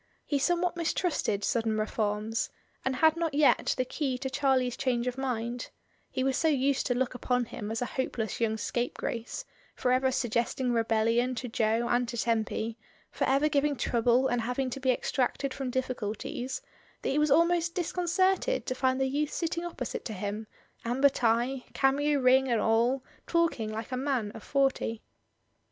He some what mistrusted sudden reforms, and had not yet the key to Charlie's change of mind; he was so used to look upon him as a hopeless young scape grace, for ever suggesting rebellion to Jo and to Tempy, for ever giving trouble and having to be extracted from difficulties, that he was almost dis concerted to find the youth sitting opposite to him, amber tie, cameo ring and all, talking like a man of forty.